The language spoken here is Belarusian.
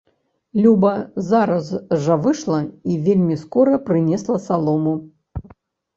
Люба зараз жа выйшла і вельмі скора прынесла салому.